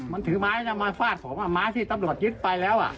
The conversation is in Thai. มันถือไม้แล้วมาฟาดผมไม้ที่ตำรวจยึดไปแล้ว